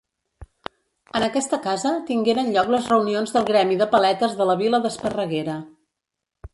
En aquesta casa tingueren lloc les reunions del gremi de paletes de la vila d'Esparreguera.